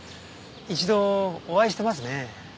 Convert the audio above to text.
一度お会いしてますね。